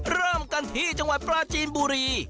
เริ่มกันที่จังหวัดปลาจีนบุรี